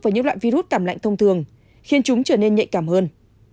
với những loại virus cảm lạnh thông thường khiến chúng trở nên nhạy cảm hơn